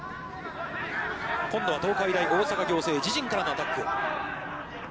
今度は東海大大阪仰星自陣からのアタック。